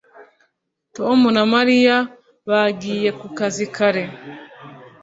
tom na mariya bagiye ku kazi kare